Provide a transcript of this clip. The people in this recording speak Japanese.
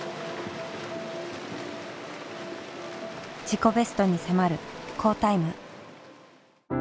自己ベストに迫る好タイム。